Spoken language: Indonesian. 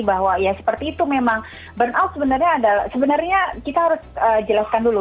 bahwa ya seperti itu memang burnout sebenarnya adalah sebenarnya kita harus jelaskan dulu